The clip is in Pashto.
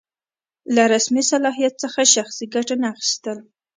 له رسمي صلاحیت څخه شخصي ګټه نه اخیستل.